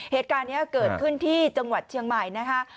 เหตุการณ์นี้เกิดขึ้นที่จังหวัดเชียงใหม่นะคะ